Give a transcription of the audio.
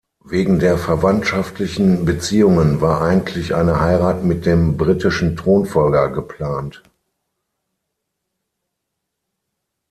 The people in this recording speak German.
Wegen der verwandtschaftlichen Beziehungen war eigentlich eine Heirat mit dem britischen Thronfolger geplant.